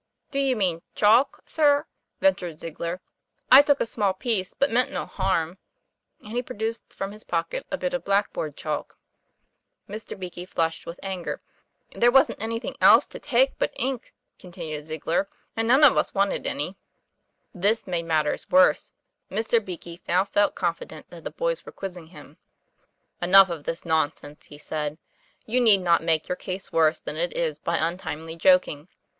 "Do you mean chalk, sir?" ventured Ziegler. "I took a small piece, but meant no harm," and he produced from his pocket a bit of black board chalk. Mr. Beakey flushed with anger. "There wasn't anything else to take but ink," continued Ziegler, "and none of us wanted any." 13 194 TOM PLAYFAIR. This made matters worse. Mr. Beakey now felt confident that the boys were quizzing him. '* Enough of this nonsense," he said. "You need not make your case worse than it is by untimely joking.